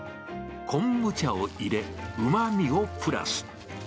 昆布茶を入れ、うまみをプラス。